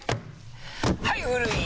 はい古い！